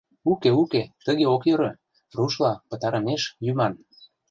Уке, уке, тыге ок йӧрӧ: рушла, пытарымеш, йӱман...